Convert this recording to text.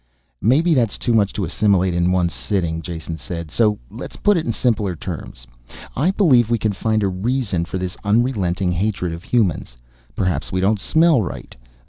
"Maybe that is too much to assimilate at one sitting," Jason said. "So let's put it in simpler terms. I believe we can find a reason for this unrelenting hatred of humans. Perhaps we don't smell right.